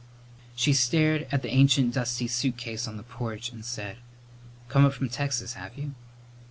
She stared at the ancient dusty suitcase on the porch and said, "Come up from Texas, have you?"